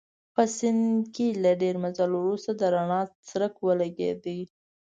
په سیند کې له ډېر مزل وروسته د رڼا څرک ولګېد.